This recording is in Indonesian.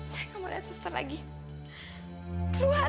saya gak mau liat suster lagi keluar